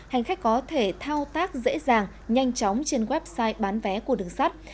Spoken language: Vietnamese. hành khách có thể thao tác dễ dàng nhanh chóng trên website bán vé của đường sắt